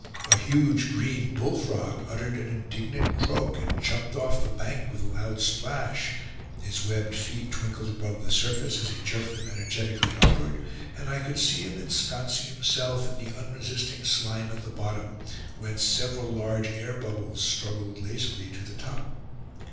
A huge green bull frog uttered an indignant croak, and jumped off the bank with a loud splash: his webbed feet twinkled above the surface, as he jerked them energetically upward, and I could see him ensconcing himself in the unresisting slime at the bottom, whence several large air bubbles struggled lazily to the top.